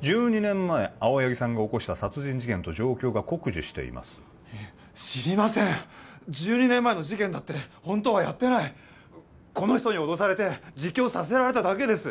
１２年前青柳さんが起こした殺人事件と状況が酷似しています知りません１２年前の事件だってホントはやってないこの人に脅されて自供させられただけです